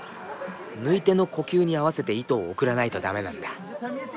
縫い手の呼吸に合わせて糸を送らないと駄目なんだ。